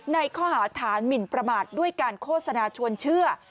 ในข้อหาฐานหมินประมาทด้วยการโฆษณาชวนเชื่อ